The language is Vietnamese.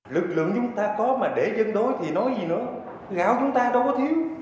lực lượng chúng ta có mà để dân đối thì nói gì nữa gạo chúng ta đâu có thiếu